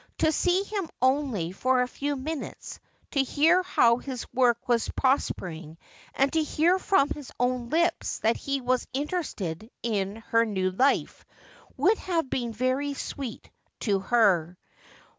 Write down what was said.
To see him only for a few minutes, to hear how his work was prospering, and to hear from his own lips that he was interested in her new life, would have been very sweet to her.